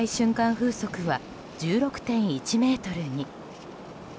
風速は１６．１メートルに。